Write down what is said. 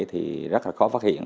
thì rất khó phát hiện